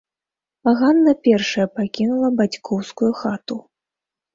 Ганна першая пакінула бацькоўскую хату.